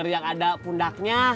ulur yang ada pundaknya